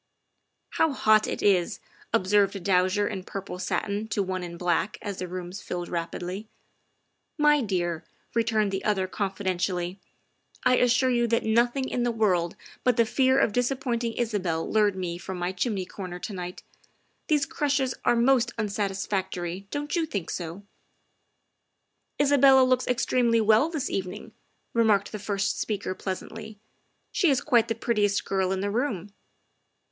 '' How hot it is !" observed a dowager in purple satin to one in black as the rooms filled rapidly. " My dear," returned the other confidentially, " I assure you that nothing in the world but the fear of dis appointing Isabel lured me from my chimney corner to night. These crushes are most unsatisfactory, don't you think so?" " Isabel looks extremely well this evening," remarked the first speaker pleasantly; " she is quite the prettiest girl in the room.